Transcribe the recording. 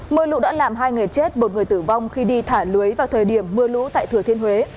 mưa lũ đã làm hai người chết một người tử vong khi đi thả lưới vào thời điểm mưa lũ tại thừa thiên huế